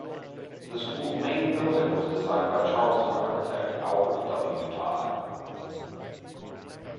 The school's main building was designed by Charleston architect Albert W. Todd.